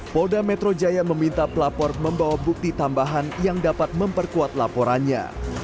polda metro jaya meminta pelapor membawa bukti tambahan yang dapat memperkuat laporannya